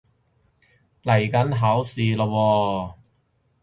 嚟緊考試喇喎